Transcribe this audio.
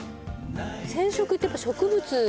染色ってやっぱ植物じゃない？